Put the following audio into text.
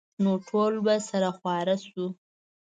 نو ټول به سره خواره سو.